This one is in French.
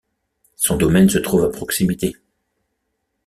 Son domaine se trouve à proximité.